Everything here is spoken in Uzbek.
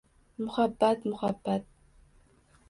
Muhabbat, muhabbat…